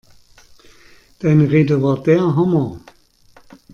Deine Rede war der Hammer!